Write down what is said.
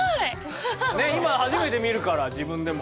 今初めて見るから自分でも。